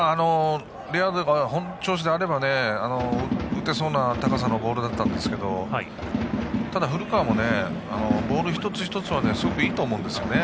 レアードが本調子なら打てそうな高さのボールだったんですけどただ、古川もボール一つ一つはすごくいいと思うんですね。